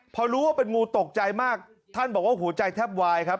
พอรู้ว่าเป็นงูตกใจมากท่านบอกว่าหัวใจแทบวายครับ